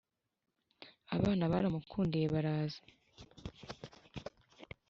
abana baramukundiye baraza.